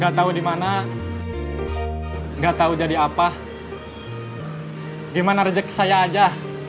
gak tau dimana gak tau jadi apa gimana rejek saya aja